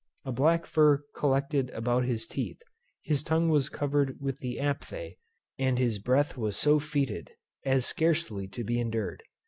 A black fur collected about his teeth; his tongue was covered with Aphthæ; and his breath was so foetid, as scarcely to be endured.